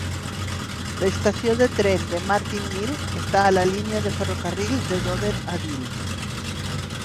L'estació de tren de Martin Mill està a la línia de ferrocarril de Dover a Deal.